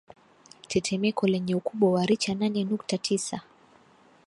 tetemeko lenye ukubwa wa richa nane nukta tisa